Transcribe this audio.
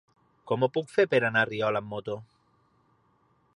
Com ho puc fer per anar a Riola amb moto?